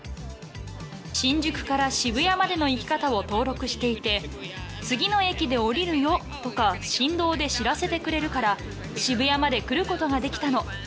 新宿から渋谷までの行き方を登録していて、次の駅で降りるよとか振動で知らせてくれるから、渋谷まで来ることができたの。